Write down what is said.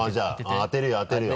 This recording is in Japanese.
当てるよ当てるよ。